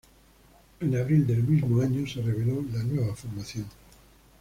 En abril del mismo año, se reveló la nueva formación.